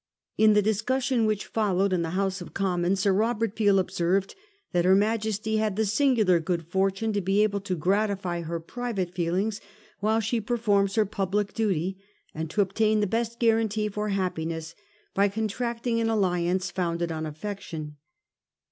In the discussion which followed in the House of Commons, Sir Robert Peel observed that her Majesty had 'the singular good fortune to be able to gratify her private feelings, while she per forms her public duty, and to obtain the best guarantee for happiness by contracting an alliance founded on affection.